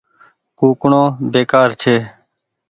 ڪوُڪڻو بيڪآر ڇي۔